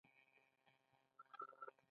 د کونړ په ماڼوګي کې د کرومایټ نښې شته.